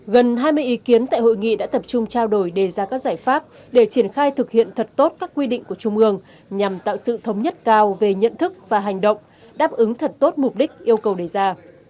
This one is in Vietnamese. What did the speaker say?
gần hai mươi ý kiến tại hội nghị đã tập trung trao đổi đề ra các giải pháp để triển khai thực hiện thật tốt các quy định của trung ương nhằm tạo sự thống nhất cao về nhận thức và hành động đáp ứng thật tốt mục đích yêu cầu đề ra